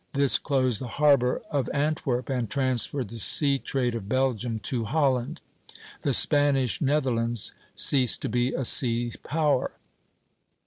This closed the harbor of Antwerp and transferred the sea trade of Belgium to Holland. The Spanish Netherlands ceased to be a sea power.